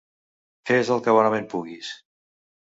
Fes el que bonament puguis.